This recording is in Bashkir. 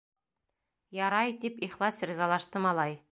— Ярай, — тип ихлас ризалашты малай.